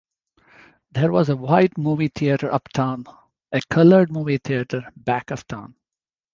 There was a white movie theater uptown; a colored movie theater back of town.